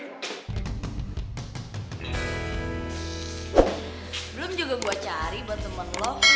belum juga buat cari buat temen lo